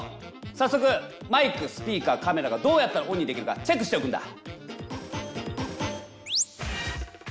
さっそくマイクスピーカーカメラがどうやったらオンにできるかチェックしておくんだ。